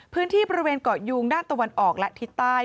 พื้นที่บริเวณเกาะยูงด้านตะวันออกและทิศใต้